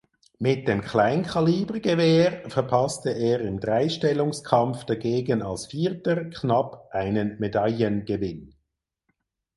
Mit dem Kleinkalibergewehr verpasste er im Dreistellungskampf dagegen als Vierter knapp einen Medaillengewinn.